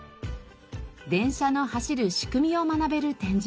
電車の走る仕組みを学べる展示も。